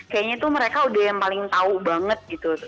kayaknya tuh mereka udah yang paling tahu banget gitu